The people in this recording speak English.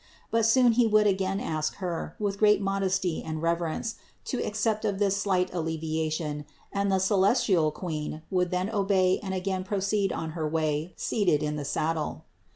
But soon he would again ask Her, with great modesty and reverence, to accept of this slight alleviation and the celestial Queen would then obey and again proceed on her way seated in the saddle.